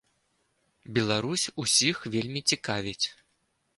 Беларусь усіх вельмі цікавіць.